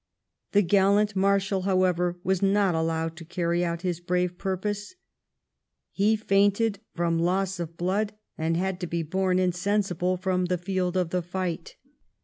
The gallant marshal, however, was not allowed to carry out his brave purpose. He fainted from loss of blood, and had to be borne insensible from the field of fight.